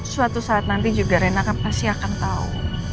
suatu saat nanti juga rena pasti akan tahu